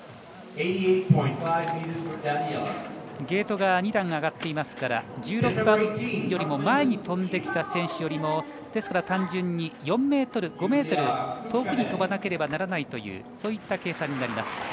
ゲートが２段上がっていますから１６番よりも前に飛んできた選手よりも単純に４ｍ、５ｍ遠くに飛ばなければならないというそういった計算になります。